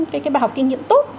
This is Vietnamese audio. cái bài học kinh nghiệm tốt